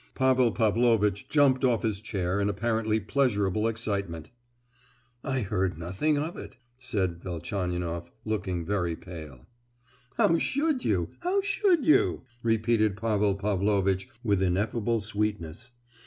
Pavel Pavlovitch jumped off his chair in apparently pleasurable excitement. "I heard nothing of it!" said Velchaninoff, looking very pale. "How should you? how should you?" repeated Pavel Pavlovitch with ineffable sweetness.